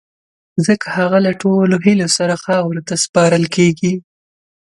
ځڪه هغه له ټولو هیلو سره خاورو ته سپارل کیږی